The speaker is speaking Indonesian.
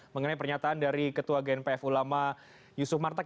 mengenai pernyataan dari ketua gnpf ulama yusuf martak